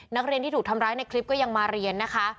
นักเรียนที่ถูกทำร้ายในคลิปก็ยังมาเรียนนะคะ